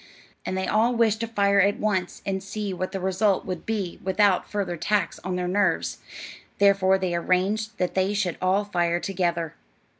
And they all wished to fire at once, and see what the result would be without further tax on their nerves; therefore they arranged that they should all fire together.